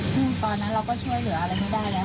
ซึ่งตอนนั้นเราก็ช่วยเหลืออะไรไม่ได้แล้ว